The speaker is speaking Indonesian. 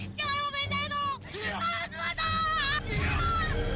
mau dihancurin mau bingung